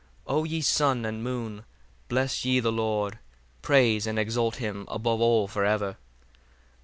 40 O ye sun and moon, bless ye the Lord: praise and exalt him above all for ever.